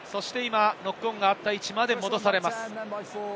ノックオンのあった位置まで戻されます。